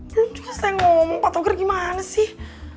belum juga saya ngomong pak togar gimana sih